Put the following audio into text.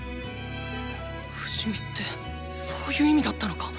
不死身ってそういう意味だったのか⁉